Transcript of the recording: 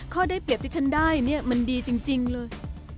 ได้เปรียบที่ฉันได้เนี่ยมันดีจริงเลย